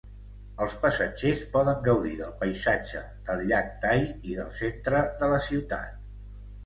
Els passatgers poden gaudir del paisatge del llac Tai i del centre de la ciutat.